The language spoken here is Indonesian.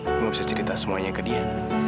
aku gak bisa cerita semuanya ke dia